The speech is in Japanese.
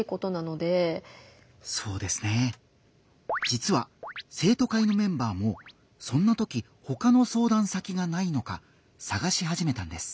じつは生徒会のメンバーもそんなときほかの相談先がないのかさがしはじめたんです。